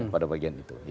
pada bagian itu